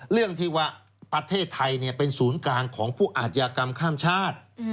เรื่องที่ว่าประเทศไทยเป็นศูนย์กลางของผู้อาชญากรรมข้ามชาติ